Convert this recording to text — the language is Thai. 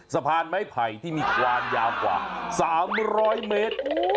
สะพานไม้ไผ่ที่มีความยาวกว่า๓๐๐เมตร